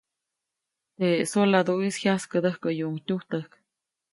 Teʼ soladuʼis jyaskädäjkäyuʼuŋ tujtäjk.